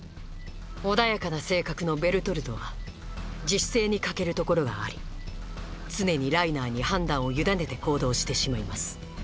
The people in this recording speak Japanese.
穏やかな性格のベルトルトは自主性に欠けるところがあり常にライナーに判断を委ねて行動してしまいます。